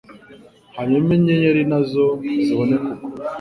Hanyuma inyenyeri na zo zibone kugwa.